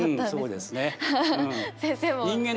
そうですよね。